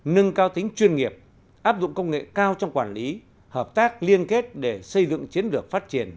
nâng cao tính chuyên nghiệp áp dụng công nghệ cao trong quản lý hợp tác liên kết để xây dựng chiến lược phát triển